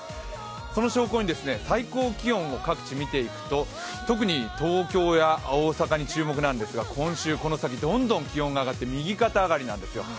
その証拠に、最高気温を各地、見ていくと特に東京や大阪に注目なんですが、今週この先どんどん気温が上がって右肩上がりなんですよ。